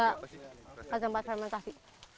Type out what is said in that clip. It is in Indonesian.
masukkan ke tempat fermentasi